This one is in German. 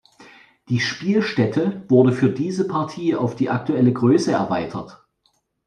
Die Spielstätte wurde für diese Partie auf die aktuelle Größe erweitert.